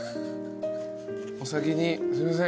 お先にすいません。